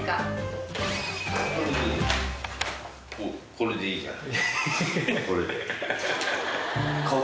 これでいいじゃん。